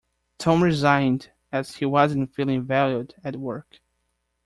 Tom resigned, as he wasn't feeling valued at work.